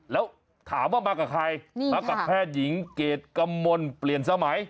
แล้วถามว่ามากับใครมากับแพทย์หญิงเกรดกำมลเปลี่ยนสมัย